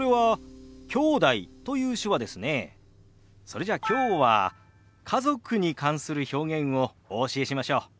それじゃあきょうは家族に関する表現をお教えしましょう。